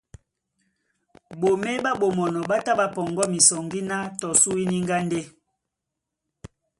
Ɓomé ɓá Ɓomɔnɔ ɓá tá ɓá pɔŋgɔ misɔŋgí ná tɔ sú íníŋgá ndé,